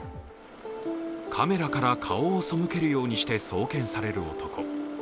カメラから顔を背けるようにして送検される男。